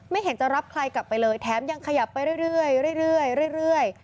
ไม่เห็นจะรับใครกลับไปเลยแถมยังขยับไปเรื่อย